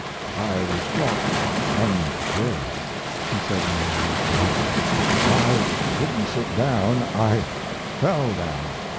"I was caught unprepared," he said in his notes of it. "I didn't sit down I fell down.